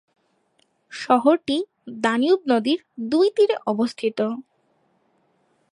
শহরটি দানিউব নদীর দুই তীরে অবস্থিত।